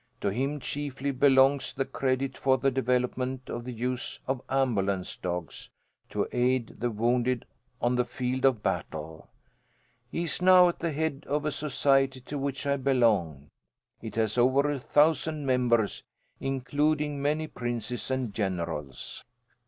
To him chiefly belongs the credit for the development of the use of ambulance dogs, to aid the wounded on the field of battle. He is now at the head of a society to which I belong. It has over a thousand members, including many princes and generals.